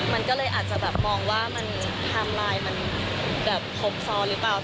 มันก็เลยอาจจะแบบมองว่ามันไทม์ไลน์มันแบบครบซ้อนหรือเปล่า